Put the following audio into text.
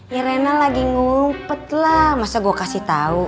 ya reina lagi ngumpetlah mas overly gue kasih tau